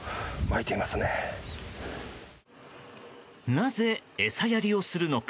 なぜ餌やりをするのか。